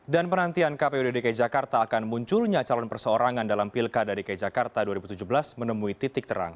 dan penantian kpud dki jakarta akan munculnya calon perseorangan dalam pilkada dki jakarta dua ribu tujuh belas menemui titik terang